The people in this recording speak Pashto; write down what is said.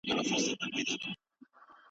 احمد شاه ابدالي څنګه د شخړو د حل هڅه کوله؟